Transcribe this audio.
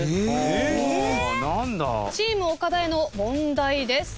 チーム岡田への問題です。